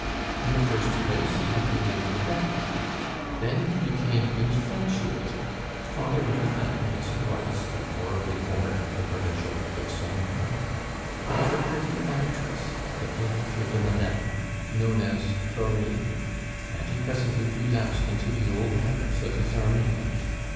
In the first place he had been made a deputy; then he became infatuated (father of a family as he was, though horribly bored by the provincial life of Saumur) with a pretty actress at the Theatre de Madame, known as Florine, and he presently relapsed into the old habits of his army life.